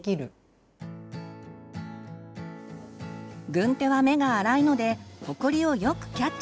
軍手は目が粗いのでほこりをよくキャッチします。